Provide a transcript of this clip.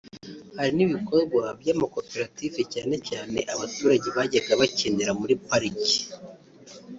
Hari n’ibikorwa by’amakoperative cyane cyane abaturage bajyaga bakenera muri pariki